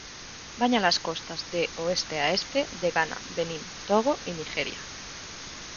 Baña las costas, de oeste a este, de Ghana, Benín, Togo y Nigeria.